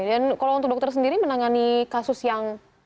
dan kalau untuk dokter sendiri menangani kasus yang paling